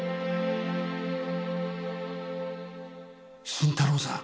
新太郎さん。